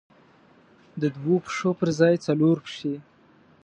د دوو پښو پر ځای څلور پښې.